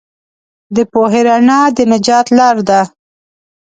د پوهې رڼا د نجات لار ده.